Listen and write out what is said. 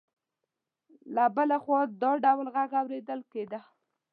له بل خوا د ډول غږ اوریدل کېده.